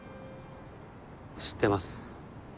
知ってます。